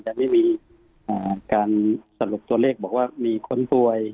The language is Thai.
ยังไม่มีการสรุปตัวเลขบอกว่ามีคนป่วย